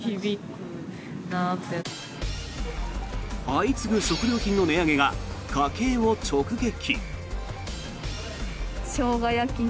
相次ぐ食料品の値上げが家計を直撃。